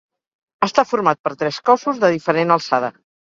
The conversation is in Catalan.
Està format per tres cossos de diferent alçada.